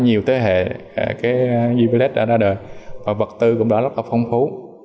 nhiều thế hệ uv led đã ra đời và vật tư cũng đã rất phong phú